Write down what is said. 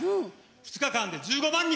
２日間で１５万人！